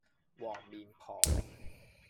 黃面婆